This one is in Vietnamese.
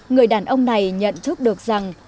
người đàn ông này nhận thức được rằng